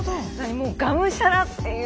がむしゃらっていう。